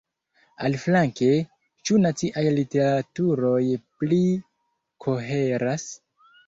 Aliflanke, ĉu naciaj literaturoj pli koheras?